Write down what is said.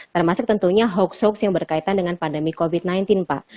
termasuk tentunya hoax hoax yang berkaitan dengan pandemi covid sembilan belas pak